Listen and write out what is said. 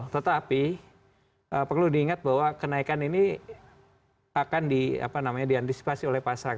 tetapi perlu diingat bahwa kenaikan ini akan diantisipasi oleh pasar